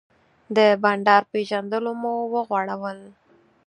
د بانډار پیژلونه مو وغوړول.